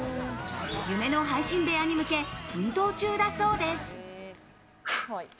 夢の配信部屋に向け奮闘中だそうです。